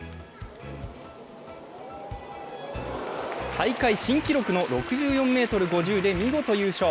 大会新記録の６４ｍ５０で見事優勝。